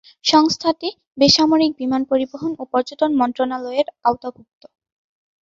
সংস্থাটি বেসামরিক বিমান পরিবহন ও পর্যটন মন্ত্রণালয়ের আওতাভুক্ত।